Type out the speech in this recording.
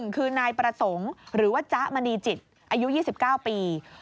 คือนายประสงค์หรือว่าจ๊ะมณีจิตอายุ๒๙ปี